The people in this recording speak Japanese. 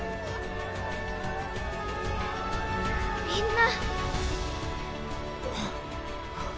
みんな！